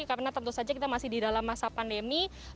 karena tentu saja kita masih di dalam masa pandemi